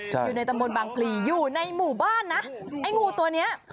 อยู่ในตำบลบางพลีอยู่ในหมู่บ้านนะไอ้งูตัวเนี้ย